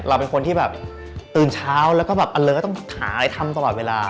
เราเป็นคนที่แบบตื่นเช้าแล้วก็แบบอันเลยก็ต้องหาอะไรทำตลอดเวลา